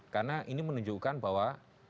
karena ini menunjukkan bahwa